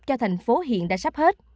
cho thành phố hiện đã sắp hết